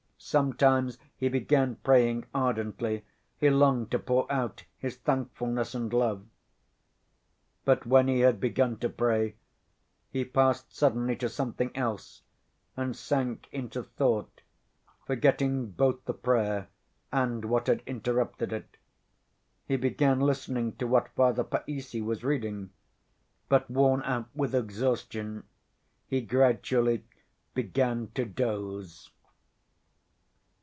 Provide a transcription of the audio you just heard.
Sometimes he began praying ardently, he longed to pour out his thankfulness and love.... But when he had begun to pray, he passed suddenly to something else, and sank into thought, forgetting both the prayer and what had interrupted it. He began listening to what Father Païssy was reading, but worn out with exhaustion he gradually began to doze.